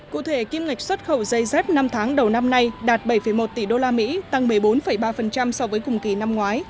cụ thể kim ngạch xuất khẩu dây dép năm tháng đầu năm nay đạt bảy một tỷ usd tăng một mươi bốn ba so với cùng kỳ năm ngoái